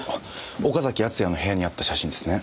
岡崎敦也の部屋にあった写真ですね。